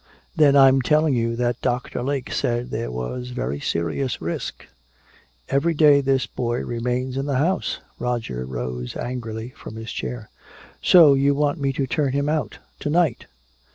Then I'm telling you that Doctor Lake said there was very serious risk every day this boy remains in the house!" Roger rose angrily from his chair: "So you want me to turn him out! To night!"